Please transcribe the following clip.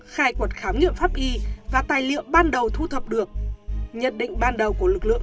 khai quật khám nghiệm pháp y và tài liệu ban đầu thu thập được nhận định ban đầu của lực lượng